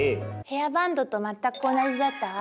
ヘアバンドと全く同じだったわ私。